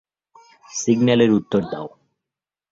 সিগন্যালের উত্তর দাও।